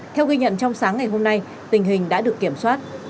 theo ghi nhận trong sáng ngày hôm nay tình hình đã được kiểm soát